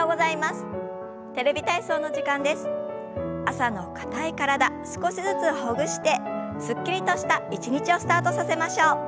朝の硬い体少しずつほぐしてすっきりとした一日をスタートさせましょう。